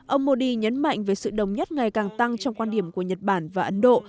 ông modi nhấn mạnh về sự đồng nhất ngày càng tăng trong quan điểm của nhật bản và ấn độ